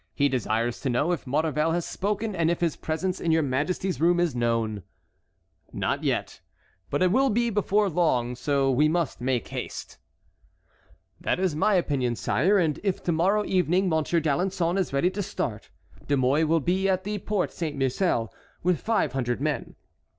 He desires to know if Maurevel has spoken, and if his presence in your majesty's room is known." "Not yet, but it will be before long; so we must make haste." "That is my opinion, sire, and if to morrow evening Monsieur d'Alençon is ready to start, De Mouy will be at the Porte Saint Marcel with five hundred men.